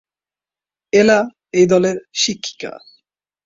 এলা এই দলের শিক্ষিকা।